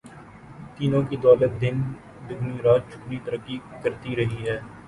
تینوں کی دولت دن دگنی رات چوگنی ترقی کرتی رہی ہے۔